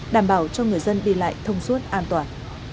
đảm bảo cho người dân đi lại thông suốt an toàn